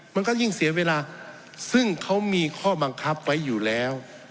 มันก็ยิ่งเสียเวลาซึ่งเขามีข้อบังคับไว้อยู่แล้ว